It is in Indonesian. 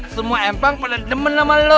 semua empang pada demen sama lelah